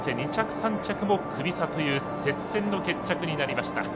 ２着、３着もクビ差という接戦の決着になりました。